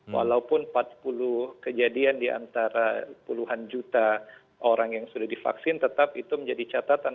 walaupun empat puluh kejadian di antara puluhan juta orang yang sudah divaksin tetap itu menjadi catatan